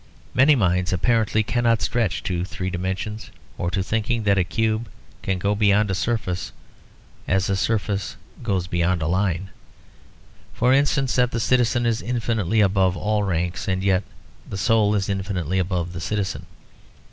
Many minds apparently cannot stretch to three dimensions, or to thinking that a cube can go beyond a surface as a surface goes beyond a line; for instance, that the citizen is infinitely above all ranks, and yet the soul is infinitely above the citizen.